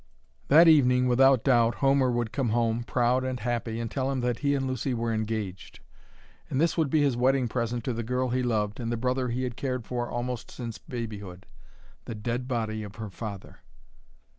That evening, without doubt, Homer would come home, proud and happy, and tell him that he and Lucy were engaged. And this would be his wedding present to the girl he loved and the brother he had cared for almost since babyhood the dead body of her father!